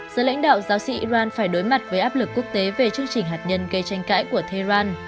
giữa lãnh đạo giáo sĩ iran phải đối mặt với áp lực quốc tế về chương trình hạt nhân gây tranh cãi của tehran